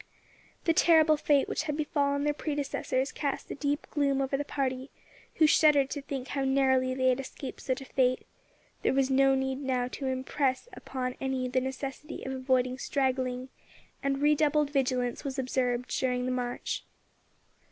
The terrible fate which had befallen their predecessors cast a deep gloom over the party, who shuddered to think how narrowly they had escaped such a fate; there was no need now to impress upon any the necessity of avoiding straggling, and redoubled vigilance was observed during the march.